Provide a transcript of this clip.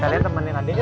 kalian temenin adiknya